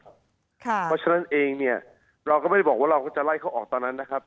เพราะฉะนั้นเองเนี่ยเราก็ไม่ได้บอกว่าเราก็จะไล่เขาออกตอนนั้นนะครับ